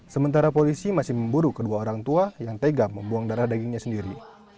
sementara polisi masih memburu kedua orang tua yang tega membuang darah dagingnya sendiri